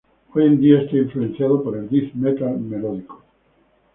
Hoy en día está influenciado por el Death Metal Melódico.